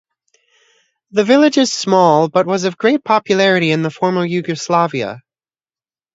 The village is small but was of great popularity in the former Yugoslavia.